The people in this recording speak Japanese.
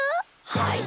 はい。